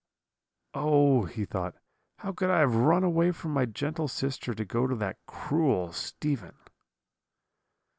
"'Oh!' he thought, 'how could I have run away from my gentle sister to go to that cruel Stephen?'